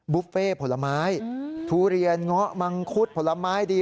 บุฟเฟ่ผลไม้ทุเรียนเงาะมังคุดผลไม้ดี